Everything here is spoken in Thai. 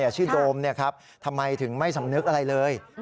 ชื่อโดมทำไมถึงไม่สำนึกอะไรเลย